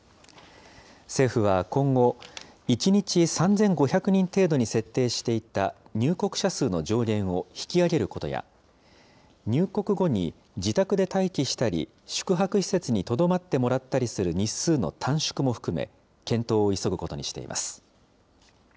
政府は今後、１日３５００人程度に設定していた入国者数の上限を引き上げることや、入国後に自宅で待機したり宿泊施設にとどまってもらったりする日数の短縮も含め、検討を急ぐことにしています。